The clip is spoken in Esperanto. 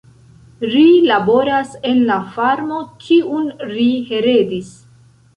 Ri laboras en la farmo, kiun ri heredis.